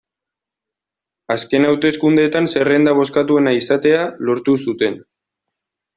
Azken hauteskundeetan zerrenda bozkatuena izatea lortu zuten.